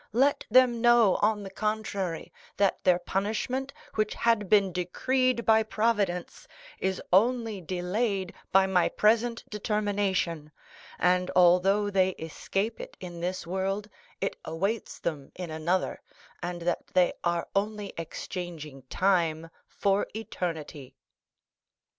Let them know, on the contrary, that their punishment, which had been decreed by Providence, is only delayed by my present determination, and although they escape it in this world, it awaits them in another, and that they are only exchanging time for eternity."